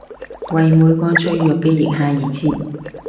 為每個脆弱嘅腋下而設！